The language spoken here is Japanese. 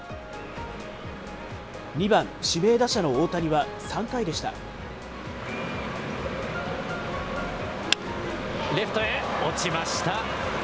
２番指名打者の大谷は、３回でしレフトへ、落ちました。